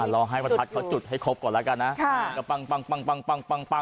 ลองให้ปตรศัตริย์จุดให้ครบก่อนละกันนะ